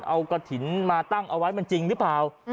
เอากระถิ่นมาตั้งเอาไว้มันจริงหรือเปล่า